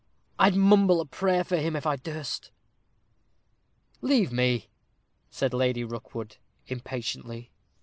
I'd mumble a prayer for him, if I durst." "Leave me," said Lady Rookwood, impatiently.